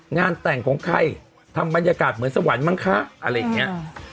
งานแต่งของใครทำบรรยากาศเหมือนสวรรค์มั้งคะอะไรอย่างนี้